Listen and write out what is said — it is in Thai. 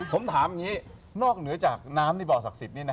ผมถามนักเหนือจากน้ำในบ่อศักดิ์ศิษย์